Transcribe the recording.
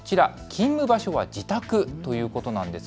勤務場所は自宅ということなんです。